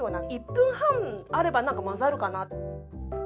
１分半あれば混ざるかな。